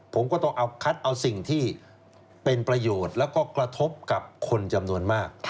ผมก็ต้องเอาคัดเอาสิ่งที่เป็นประโยชน์แล้วก็กระทบกับคนจำนวนมาก